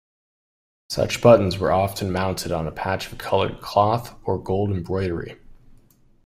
Such buttons were often mounted on a patch of coloured cloth or gold embroidery.